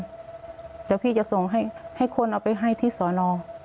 เดี๋ยวพี่จะส่งให้คนเอาไปให้ที่สอนอ